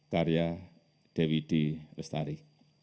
karya dewi d lestari